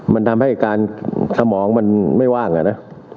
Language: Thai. มันทำให้การสมองมันไม่ว่างอะนะ